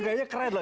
gaya nya keren loh